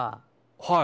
はい。